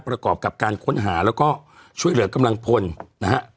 ประกอบกับการค้นหาแล้วก็ช่วยเหลือกำลังพลนะฮะ